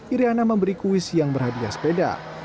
iryana memberi kuis yang berhadiah sepeda